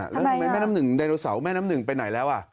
แล้วทำไมแม่น้ำหนึ่งไดโนเสาร์แม่น้ำหนึ่งไปไหนแล้ว